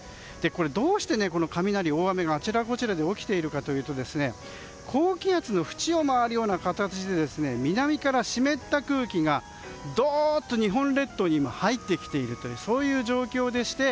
これ、どうして雷、大雨があちらこちらで起きているのかというと高気圧のふちを回るような形で南から湿った空気がどーっと日本列島に入ってきている状況でして。